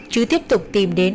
chứ tiếp tục tìm đến